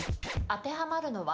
当てはまるのは？